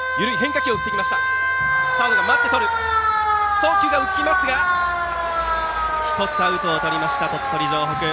送球が浮きますが１つアウトをとりました鳥取城北。